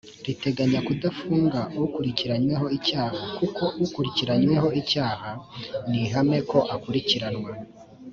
riteganya kudafunga ukurikiranyweho icyaha kuko ukurikiranyweho icyaha ni ihame ko akurikiranwa